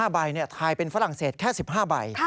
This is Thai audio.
๕ใบทายเป็นฝรั่งเศสแค่๑๕ใบ